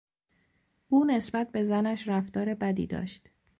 او نسبت به زنش رفتار بدی داشت.